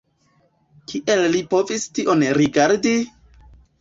Kiel Li povis tion rigardi?!